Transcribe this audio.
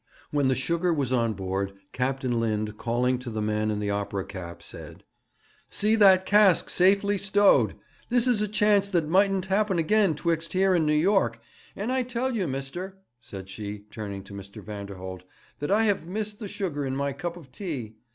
When the sugar was on board, Captain Lind, calling to the man in the opera cap, said: 'See that cask safely stowed. This is a chance that mightn't happen again 'twixt here and New York; and I tell you, mister,' said she, turning to Mr. Vanderholt, 'that I have missed the sugar in my cup of tea.